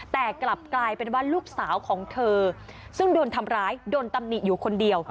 แต่กลับกลายเป็นว่าลูกสาวของเธอซึ่งโดนทำร้ายโดนตำหนิอยู่คนเดียว